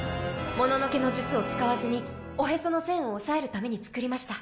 もののけの術を使わずにおへその栓を押さえるために作りました。